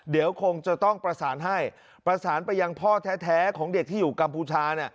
เดี๋ยวคงจะต้องประสานให้ประสานไปยังพ่อแท้ของเด็กที่อยู่กัมพูชา